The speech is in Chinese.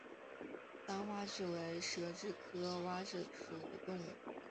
单蛙蛭为舌蛭科蛙蛭属的动物。